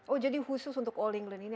oh jadi khusus untuk all england ini